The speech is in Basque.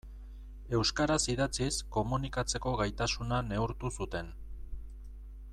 Euskaraz idatziz komunikatzeko gaitasuna neurtu zuten.